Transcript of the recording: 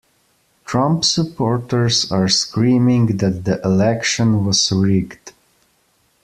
Trump supporters are screaming that the election was rigged.